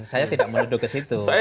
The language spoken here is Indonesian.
saya tidak menuduh ke situ